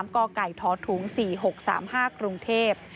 กไก่ทถุง๔๖๓๕กรุงเทพฯ